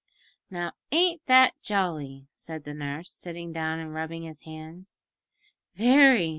"Now, ain't that jolly?" said the nurse, sitting down and rubbing his hands. "Very!"